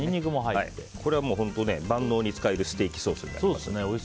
これは万能に使えるステーキソースになります。